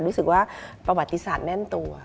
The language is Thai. รู้สึกว่าประวัติศาสตร์แน่นตัว